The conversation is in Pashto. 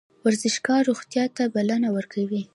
ورزشکار روغتیا ته بلنه ورکوي